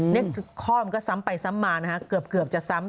นี่ข้อมันก็ซ้ำไปซ้ำมานะฮะเกือบจะซ้ำ